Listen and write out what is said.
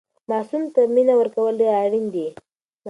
ماسوم ته مینه ورکول ډېر اړین دي.